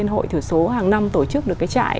hội thử số hàng năm tổ chức được cái trại